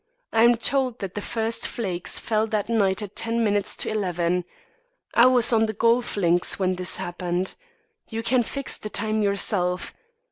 I'm told that the first flakes fell that night at ten minutes to eleven. I was on the golf links when this happened. You can fix the time yourself.